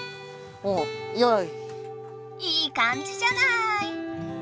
いい感じじゃない！